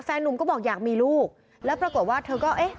หนุ่มก็บอกอยากมีลูกแล้วปรากฏว่าเธอก็เอ๊ะ